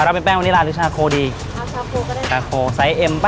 เอ่อรับเป็นแป้งวานิลาหรือชาโครดีชาโครก็ได้ชาโครไซส์เอ็มป่ะ